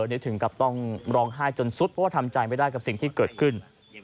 นี่ถึงกับต้องร้องไห้จนสุดเพราะว่าทำใจไม่ได้กับสิ่งที่เกิดขึ้น